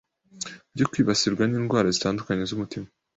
byo kwibasirwa n’indwara zitandukanye z’umutima